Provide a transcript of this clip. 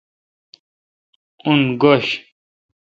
اُن گش